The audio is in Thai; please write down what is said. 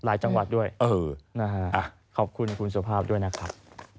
หลายจังหวัดด้วยขอบคุณคุณสภาพด้วยนะครับ